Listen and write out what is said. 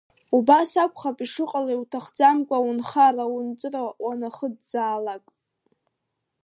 Убас акәхап ишыҟало иуҭахӡамкәа унхара-унҵыра уанахыӡаалакь.